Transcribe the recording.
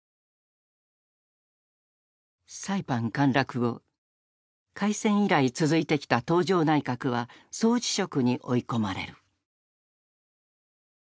サイパン陥落後開戦以来続いてきた東條内閣は総辞職に追い込まれる。